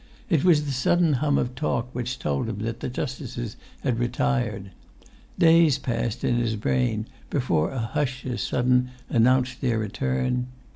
It was the sudden[Pg 183] hum of talk which told him that the justices had retired; days passed in his brain before a hush as sudden announced their return.